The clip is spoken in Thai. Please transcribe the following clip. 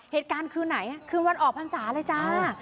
เหตุการณ์คือไหนคืนวันออกภาคศาสตร์เลยจ้า